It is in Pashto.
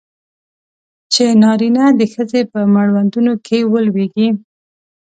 چې نارینه د ښځې په مړوندونو کې ولویږي.